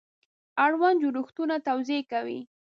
اړوند جوړښتونه توضیح کوي.